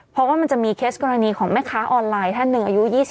เพราะว่ามันจะมีเคสกรณีของแม่ค้าออนไลน์ท่านหนึ่งอายุ๒๒